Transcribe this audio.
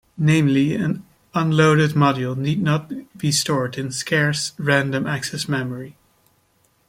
Namely, an unloaded module need not be stored in scarce random access memory.